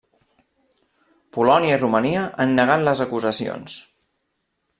Polònia i Romania han negat les acusacions.